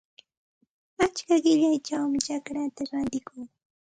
Achka qillayćhawmi chacraata rantikuu.